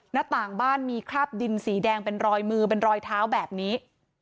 หน้าต่างบ้านมีคราบดินสีแดงเป็นรอยมือเป็นรอยเท้าแบบนี้